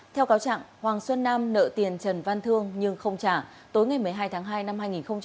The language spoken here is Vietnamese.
theo cáo trạng hoàng xuân nam nợ tiền trần văn thương nhưng không trả tối ngày một mươi hai tháng hai năm hai nghìn hai mươi